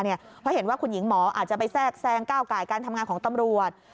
เพราะเห็นว่าคุณหญิงหมออาจจะไปแทรกแซงก้าวไก่การทำงานของตำรวจ